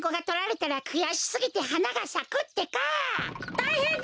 たいへんだ！